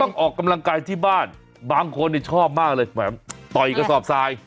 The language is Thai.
ต้องออกกำลังกายที่บ้านบางคนเนี่ยชอบมากเลยแบบต่อยกระสอบซ้าย